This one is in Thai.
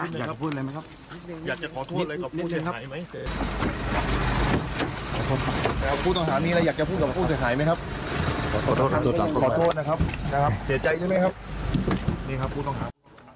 ใช่ครับเสียใจใช่ไหมครับคุณผู้ต้องหา